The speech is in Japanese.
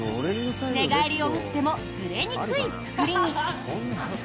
寝返りを打ってもずれにくい作りに。